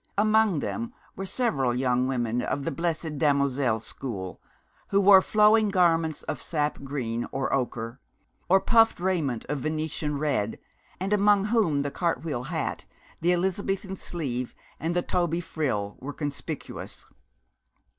Among them were several young women of the Blessed Damozel school, who wore flowing garments of sap green or ochre, or puffed raiment of Venetian red, and among whom the cartwheel hat, the Elizabethan sleeve, and the Toby frill were conspicuous.